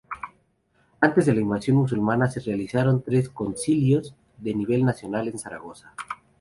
Antes de la invasión musulmana, se realizaron tres concilios de nivel nacional en Zaragoza.